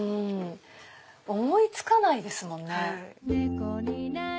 思い付かないですもんね。